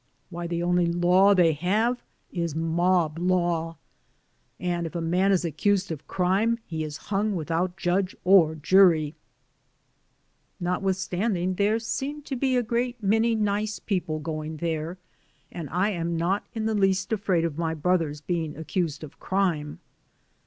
Why, the only law they have is mob law, and if a man is accused of crime he is hung without judge or jury." i82 DAYS ON THE ROAD. "Notwithstanding, there seems to be a great many nice people going there, and I am not in the least afraid of my brothers be ing accused of crime.'